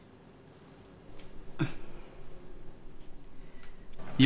うん。